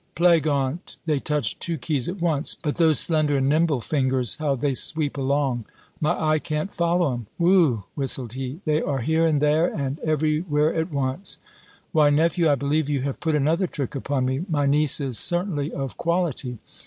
"Plague on't, they touch two keys at once; but those slender and nimble fingers, how they sweep along! My eye can't follow 'em Whew," whistled he, "they are here and there, and every where at once! Why, nephew, I believe you have put another trick upon me. My niece is certainly of quality!